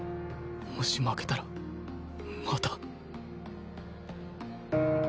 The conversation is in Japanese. もし負けたらまた